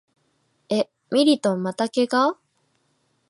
え、ミリトンまた怪我？